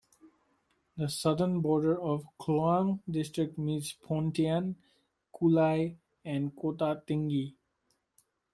The southern border of Kluang district meets Pontian, Kulai and Kota Tinggi.